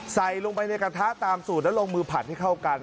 ใส่ลงไปในกระทะตามสูตรแล้วลงมือผัดให้เข้ากัน